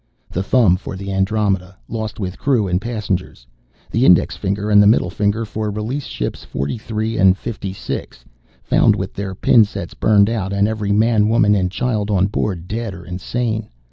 The thumb for the Andromeda, lost with crew and passengers, the index finger and the middle finger for Release Ships 43 and 56, found with their pin sets burned out and every man, woman, and child on board dead or insane.